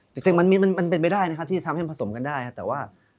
จริงมันเป็นไปได้นะครับที่จะทำให้ผสมกันได้ครับแต่ว่า